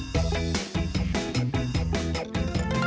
โปรดติดตามต่อไป